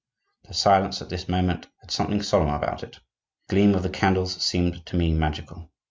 The silence at this moment had something solemn about it. The gleam of the candles seemed to me magical.